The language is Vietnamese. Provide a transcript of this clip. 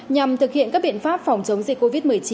nhằm thực hiện các biện pháp phòng chống dịch covid một mươi chín